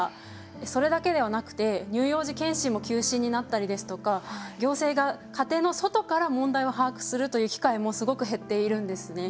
それだけではなくて乳幼児健診も休止になったりですとか行政が家庭の外から問題を把握するという機会もすごく減っているんですね。